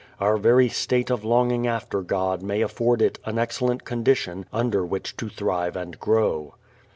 Our very state of longing after God may afford it an excellent condition under which to thrive and grow.